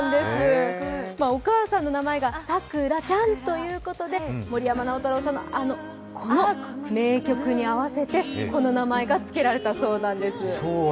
お母さんの名前がサクラちゃんということで森山直太朗さんのあの名曲に合わせてこの名前がつけられたそうなんです。